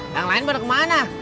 yang lain baru kemana